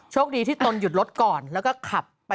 คดีที่ตนหยุดรถก่อนแล้วก็ขับไป